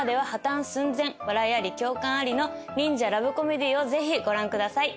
笑いあり共感ありの忍者ラブコメディーをぜひご覧ください。